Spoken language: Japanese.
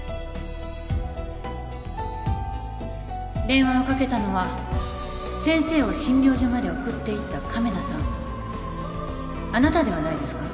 電話をかけたのは先生を診療所まで送っていった亀田さんあなたではないですか？